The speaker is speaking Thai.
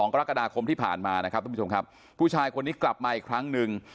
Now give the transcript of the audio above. กรกฎาคมที่ผ่านมานะครับทุกผู้ชมครับผู้ชายคนนี้กลับมาอีกครั้งหนึ่ง